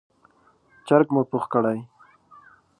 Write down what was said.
چرګ مو پوخ کړی،